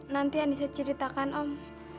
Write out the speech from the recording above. nanti anissa ceritakan om